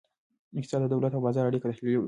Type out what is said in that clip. اقتصاد د دولت او بازار اړیکه تحلیلوي.